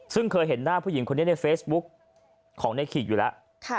ซึ่งเคยเห็นหน้าผู้หญิงคนนี้ในเฟซบุ๊กของในขีกอยู่แล้ว